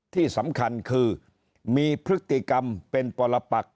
ที่สำคัญคือมีพฤติกรรมเป็นปรปัก